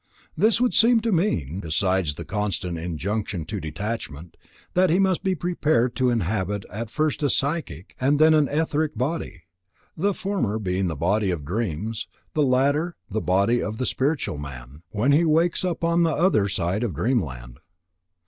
This would seem to mean, besides the constant injunction to detachment, that he must be prepared to inhabit first a psychic, and then an etheric body; the former being the body of dreams; the latter, the body of the spiritual man, when he wakes up on the other side of dreamland.